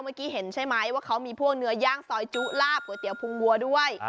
เมื่อกี้เห็นใช่ไหมว่าเขามีพวกเนื้อย่างซอยจุลาบก๋วยเตี๋พุงบัวด้วย